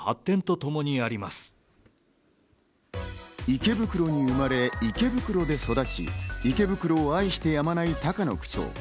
池袋に生まれ、池袋で育ち、池袋を愛してやまない高野区長。